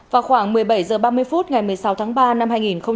vào khoảng một mươi bảy h ba mươi phút ngày một mươi sáu tháng ba năm hai nghìn hai mươi